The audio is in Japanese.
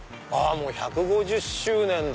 もう１５０周年だ！